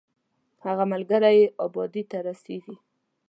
هغه ملګری یې ابادۍ ته رسېږي.